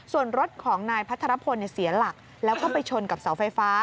ส่วนรถของนายพัทรพลเสียหลักแล้วก็ไปชนกับเสาไฟฟ้า